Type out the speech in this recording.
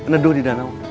nedu di danau